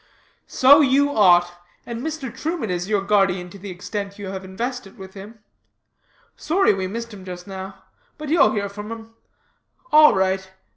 "So you ought; and Mr. Truman is your guardian to the extent you invested with him. Sorry we missed him just now. But you'll hear from him. All right.